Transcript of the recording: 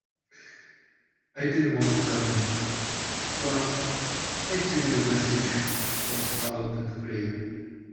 I didn't want to tell him, but I think the message was loud and clear.